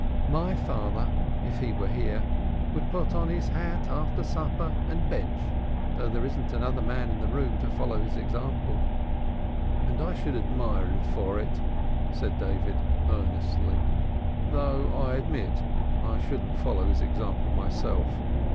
"My father, if he were here, would put on his hat after supper and bensh, though there wasn't another man in the room to follow his example." "And I should admire him for it," said David, earnestly, "though I admit I shouldn't follow his example myself.